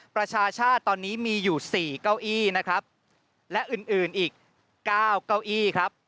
ประชาชาติตอนนี้มีอยู่๔เก้าอี้นะครับและอื่นอื่นอีก๙เก้าอี้ครับ